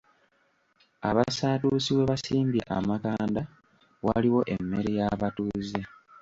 Abasaatuusi we basimbye amakanda waliwo emmere y’abatuuze.